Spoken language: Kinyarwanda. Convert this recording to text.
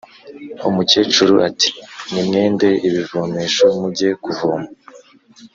umukecuru ati: “nimwende ibivomesho muge kuvoma